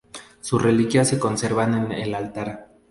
Sus reliquias se conservan en el altar.